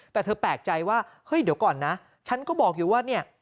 แต่เธอแปลกใจว่าเฮ้ยเดี๋ยวก่อนนะฉันก็บอกอยู่ว่าเนี่ย